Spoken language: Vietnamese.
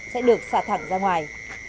sẽ được xả thẳng ra ngoài